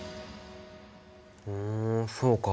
ふんそうか。